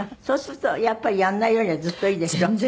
そうするとやっぱりやらないよりはずっといいでしょ？